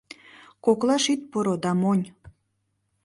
Коклаш ит пуро» да монь...